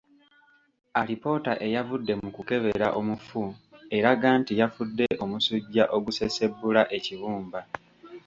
Alipoota eyavudde mu kukebera omufu eraga nti yafudde omusujja ogusesebbula ekibumba.